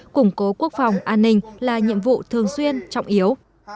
củng cố quốc phòng an ninh là nhiệm vụ thường xuyên trọng yếu